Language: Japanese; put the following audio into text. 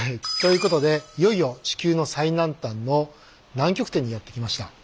ということでいよいよ地球の最南端の南極点にやって来ました。